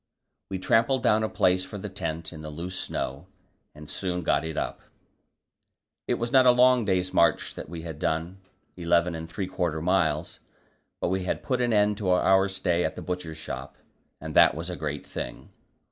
We trampled down a place for the tent in the loose snow, and soon got it up. It was not a long day's march that we had done eleven and three quarter miles but we had put an end to our stay at the Butcher's Shop, and that was a great thing.